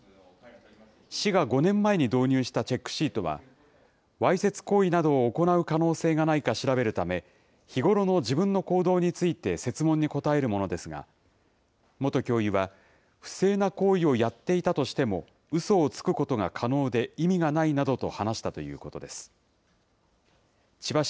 市が５年前に導入したチェックシートは、わいせつ行為などを行う可能性がないか調べるため、日頃の自分の行動について設問に答えるものですが、元教諭は、不正な行為をやっていたとしても、うそをつくことが可能で、意味がないなどと話したということです。